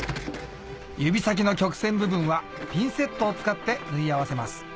指先の曲線部分はピンセットを使って縫い合わせます